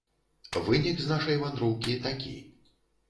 Вынік з нашай вандроўкі такі.